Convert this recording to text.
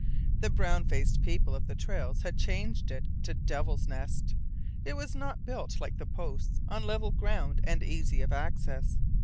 The brown faced people of the trails had changed it to Devil's Nest. It was not built like the posts, on level ground and easy of access.